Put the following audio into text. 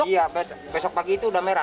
iya besok pagi itu udah merah